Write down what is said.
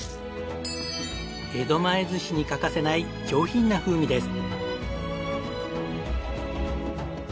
江戸前寿司に欠かせない上品な風味です。